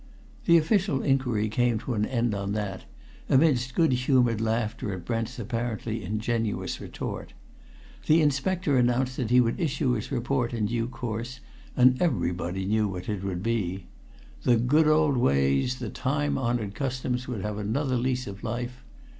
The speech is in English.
The official inquiry came to an end on that amidst good humoured laughter at Brent's apparently ingenuous retort. The inspector announced that he would issue his report in due course, and everybody knew what it would be. The good old ways, the time honoured customs would have another lease of life.